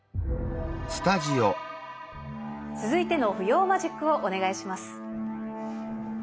続いての浮揚マジックをお願いします。